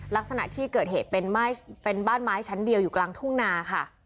ลักษณะที่เกิดเหตุเป็นบ้านไม้ชั้นเดียวอยู่กลางทุ่งนาค่ะ